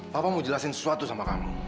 papa mau jelasin sesuatu sama kamu